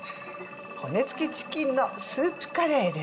骨つきチキンのスープカレーですか？